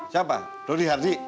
siapa dodi hardik